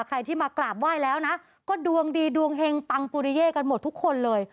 ใครที่มากราบไหว้แล้วนะก็ดวงดีดวงเฮงปังปุริเย่กันหมดทุกคนเลย